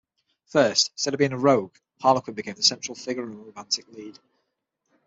First, instead of being a rogue, Harlequin became the central figure and romantic lead.